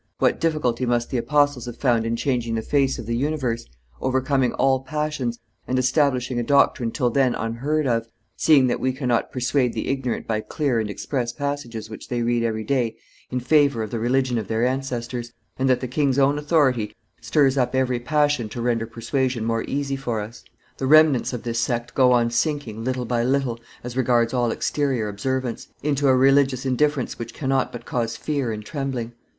What difficulty must the apostles have found in changing the face of the universe, overcoming all passions, and establishing a doctrine till then unheard of, seeing that we cannot persuade the ignorant by clear and express passages which they read every day in favor of the religion of their ancestors, and that the king's own authority stirs up every passion to render persuasion more easy for us! The remnants of this sect go on sinking little by little, as regards all exterior observance, into a religious indifference which cannot but cause fear and trembling.